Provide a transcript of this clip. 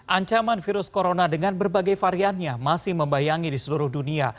ancaman virus corona dengan berbagai variannya masih membayangi di seluruh dunia